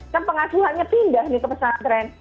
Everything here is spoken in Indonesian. kan pengasuhannya pindah nih ke kondoko santren